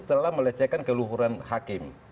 telah melecehkan keeluhuran hakim